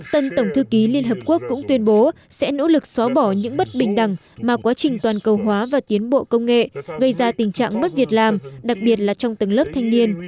tân tổng thư ký liên hợp quốc cũng tuyên bố sẽ nỗ lực xóa bỏ những bất bình đẳng mà quá trình toàn cầu hóa và tiến bộ công nghệ gây ra tình trạng mất việc làm đặc biệt là trong tầng lớp thanh niên